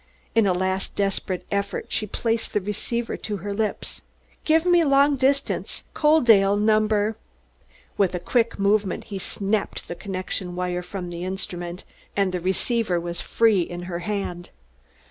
In a last desperate effort she placed the receiver to her lips. "Give me long distance, Coaldale Number " With a quick movement he snapped the connecting wire from the instrument, and the receiver was free in her hand.